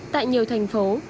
tại nhiều thành phố